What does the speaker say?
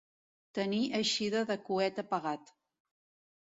Tenir eixida de coet apagat.